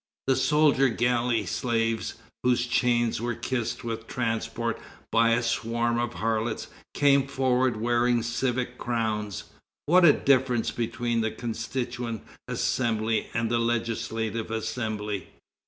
The soldier galley slaves, whose chains were kissed with transports by a swarm of harlots, came forward wearing civic crowns. What a difference between the Constituent Assembly and the Legislative Assembly!